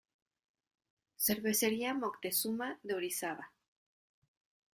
Cervecería Moctezuma de Orizaba.